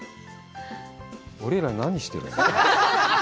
俺ら、何してるの？